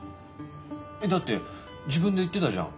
えっだって自分で言ってたじゃん。